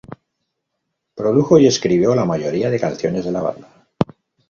Produjo y escribió la mayoría de canciones de la banda.